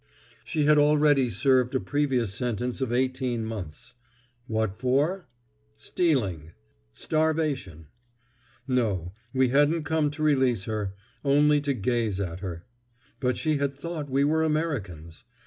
She had already served a previous sentence of eighteen months. What for? Stealing. Starvation. No, we hadn't come to release her—only to gaze at her. But she had thought we were Americans!